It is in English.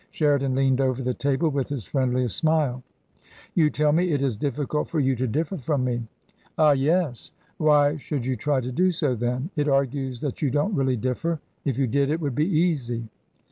Sheridan leaned over the table with his friendliest smile. " You tell me it is difficult for you to differ from me ?" "Ah, yes!" Why should you try to do so, then ? It argues that you don't really differ. If you did, it would be easy."